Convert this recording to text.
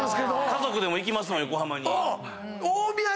家族でも行きます横浜に。